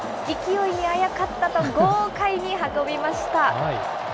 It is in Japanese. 勢いにあやかったと、豪快に運びました。